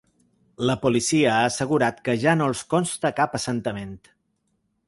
La policia ha assegurat que ja no els consta cap assentament.